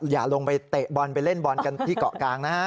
อย่าลงไปเตะบอลไปเล่นบอลกันที่เกาะกลางนะฮะ